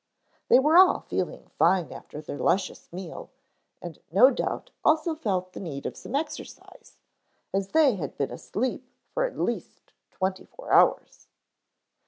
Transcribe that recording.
They were all feeling fine after their luscious meal, and no doubt also felt the need of some exercise, as they had been asleep for at least twenty four hours.